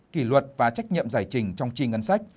kỷ luật và trách nhiệm giải trình trong tri ngân sách